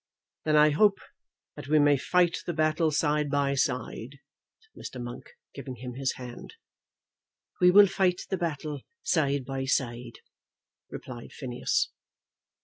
"Then I hope that we may fight the battle side by side," said Mr. Monk, giving him his hand. "We will fight the battle side by side," replied Phineas.